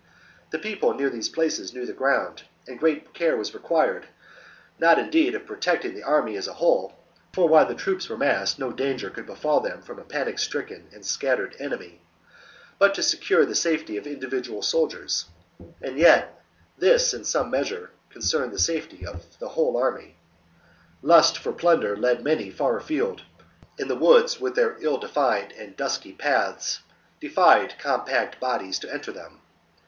The people near these places knew the ground ; and great care was required, not indeed in protecting the army as a whole, for while the troops were massed no danger could befall them from a panic stricken and scattered enemy, but to secure the safety of individual soldiers ; and yet this in some 196 CAMPAIGN AGAINST, book 53 B.C. measure concerned the safety of the whole army. Lust for plunder led many far afield ; and the woods with their ill defined and dusky paths defied compact bodies to enter them.